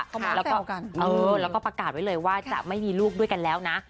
เออแล้วก็ประกาศไว้เลยว่าจะไม่มีลูกด้วยกันแล้วนะ